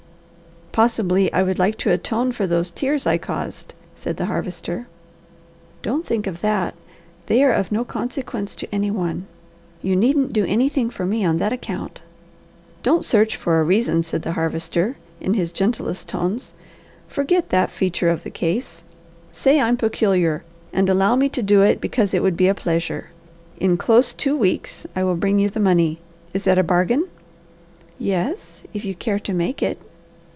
"Possibly I would like to atone for those tears I caused," said the Harvester. "Don't think of that! They are of no consequence to any one. You needn't do anything for me on that account." "Don't search for a reason," said the Harvester, in his gentlest tones. "Forget that feature of the case. Say I'm peculiar, and allow me to do it because it would be a pleasure. In close two weeks I will bring you the money. Is it a bargain?" "Yes, if you care to make it."